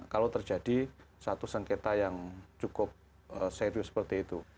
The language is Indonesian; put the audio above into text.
kalau terjadi satu sengketa yang cukup serius seperti itu